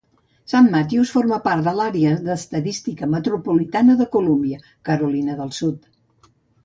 Saint Matthews forma part de l'àrea d'estadística metropolitana de Columbia, Carolina del Sud.